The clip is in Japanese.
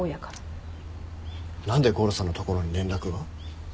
なんでゴロさんのところに連絡が？